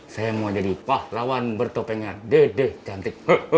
saya mau jadi pahlawan bertopengan dede cantik